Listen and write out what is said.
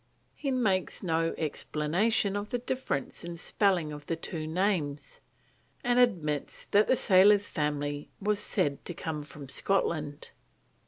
He makes no explanation of the difference in spelling of the two names, and admits that the sailor's family was said to come from Scotland.